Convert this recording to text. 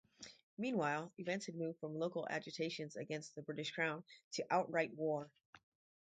Meanwhile, events had moved from local agitations against the British crown to outright war.